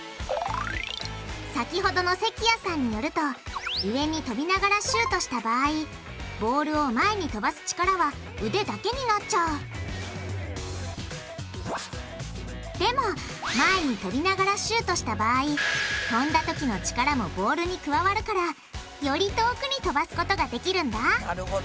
先ほどの関谷さんによると上にとびながらシュートした場合ボールを前にとばす力は腕だけになっちゃうでも前にとびながらシュートした場合とんだときの力もボールに加わるからより遠くにとばすことができるんだなるほど。